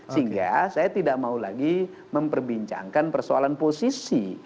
sehingga saya tidak mau lagi memperbincangkan persoalan posisi